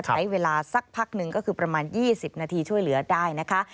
ใช้เวลาสักพักหนึ่งก็คือประมาณ๒๐นาทีช่วยเหลือได้นะคะ